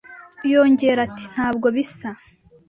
Yongera ati Ntabwo bisa